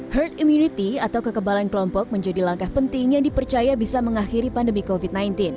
herd immunity atau kekebalan kelompok menjadi langkah penting yang dipercaya bisa mengakhiri pandemi covid sembilan belas